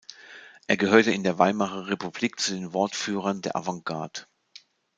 Er gehörte in der Weimarer Republik zu den Wortführern der Avantgarde.